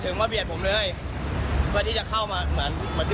เหมือนเขาโมโหเราไม่ให้เข้าหรอ